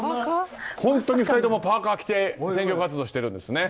本当に２人ともパーカを着て選挙活動をしてるんです。